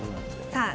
さあ